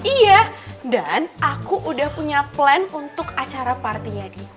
iya dan aku udah punya plan untuk acara partiyadi